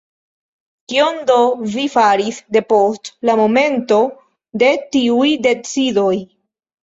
Kion do vi faris depost la momento de tiuj decidoj?